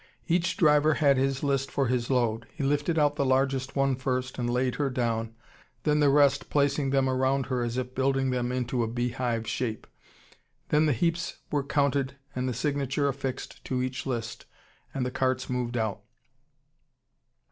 Each driver had his list for his load. He lifted out the largest one first and laid her down, then the rest, placing them around her as if building them into a bee hive shape. Then the heaps were counted and the signature affixed to each list, and the carts moved out.